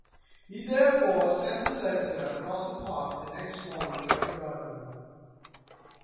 He therefore sent the letter across the park the next morning by the gardener.